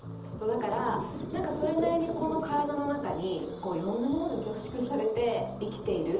だから何かそれなりにこの体の中にいろんなものが凝縮されて生きている。